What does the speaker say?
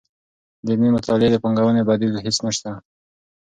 د علمي مطالعې د پانګوونې بدیل هیڅ نشته.